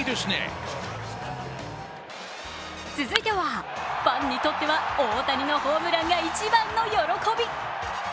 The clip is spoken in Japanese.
続いては、ファンにとっては大谷のホームランが一番の喜び。